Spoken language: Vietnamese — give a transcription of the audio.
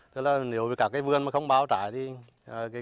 tức là nếu cả cái vườn mà không bao trái thì